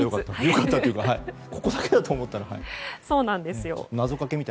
ここだけだと思った。